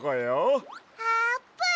あーぷん！